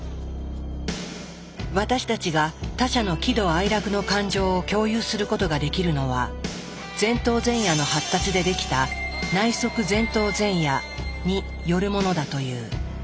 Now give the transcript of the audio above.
私たちが他者の喜怒哀楽の感情を共有することができるのは前頭前野の発達でできた「内側前頭前野」によるものだという。